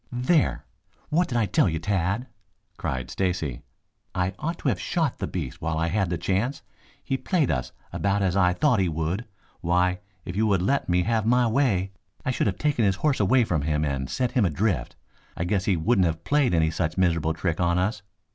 "There! What did I tell you, Tad?" cried Stacy. "I ought to have shot the beast while I had the chance. He played us about as I thought he would. Why, if you had let me have my way, I should have taken his horse away from him and set him adrift. I guess he wouldn't have played any such miserable trick on us.